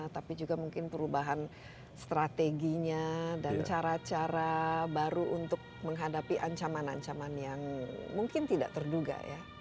tapi juga mungkin perubahan strateginya dan cara cara baru untuk menghadapi ancaman ancaman yang mungkin tidak terduga ya